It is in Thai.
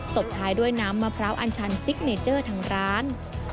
บท้ายด้วยน้ำมะพร้าวอัญชันซิกเนเจอร์ทางร้าน